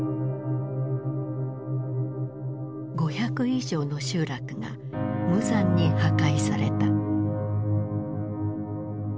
５００以上の集落が無残に破壊された。